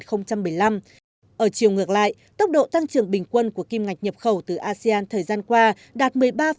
ở chiều ngược lại tốc độ tăng trưởng bình quân của kim ngạch nhập khẩu từ asean thời gian qua đạt một mươi ba